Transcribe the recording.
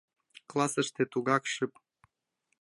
Классыште тугак шып.